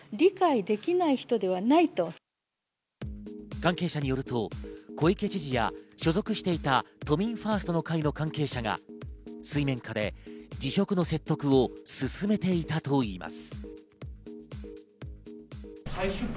関係者によると小池知事や所属していた都民ファーストの会の関係者が水面下で辞職の説得を進めていたといいます。